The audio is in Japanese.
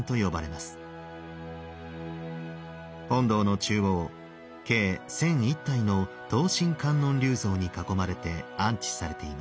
本堂の中央計１，００１体の等身観音立像に囲まれて安置されています。